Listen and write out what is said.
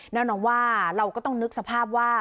แน่นอนว่าเราก็ต้องนึกสภาพว่า